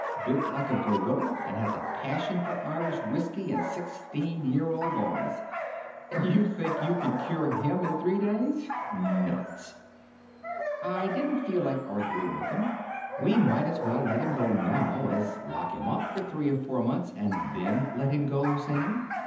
Built like a gorilla and has a passion for Irish whisky and sixteen year old boys and you think you can cure him in three days! Nuts!" I didn't feel like arguing with him. "We might as well let him go now as lock him up for three or four months and then let him go, Sam.